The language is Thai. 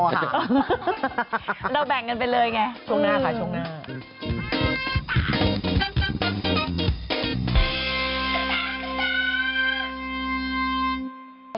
และเราแบ่งกันไปเลยไงช่วงหน้า